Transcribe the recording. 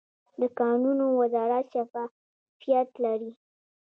د کانونو وزارت شفافیت لري؟